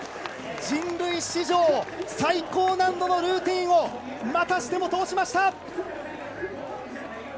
人類史上最高難度のルーティンをまたしても通しました！